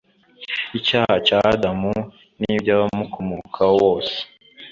Icyaha cya Adamu n'ibv'abamukomokaho bose,